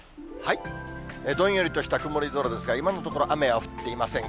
どんよりとした曇り空ですが、今のところ、雨は降っていません。